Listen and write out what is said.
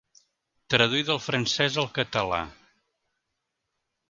Traduir del francès al català.